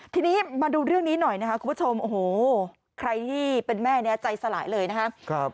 ทีนี้มาดูเรื่องนี้หน่อยนะครับคุณผู้ชมโอ้โหใครที่เป็นแม่เนี่ยใจสลายเลยนะครับ